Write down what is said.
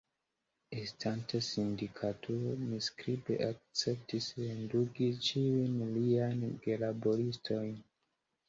Estante sindikatulo, mi skribe akceptis redungi ĉiujn liajn gelaboristojn.